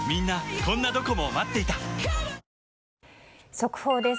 速報です。